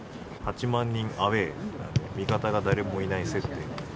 ８万人アウェー味方が誰もいない。